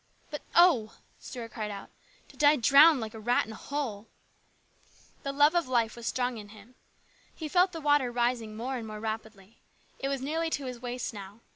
" But oh !" Stuart cried out, " to die drowned like a rat in a hole !" The love of life was strong in him. He felt the water rising more and more rapidly. It was nearly to his waist now.